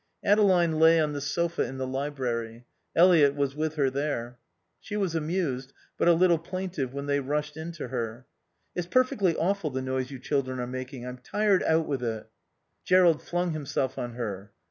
Adeline lay on the sofa in the library. Eliot was with her there. She was amused, but a little plaintive when they rushed in to her. "It's perfectly awful the noise you children are making. I'm tired out with it." Jerrold flung himself on her.